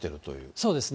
そうですね。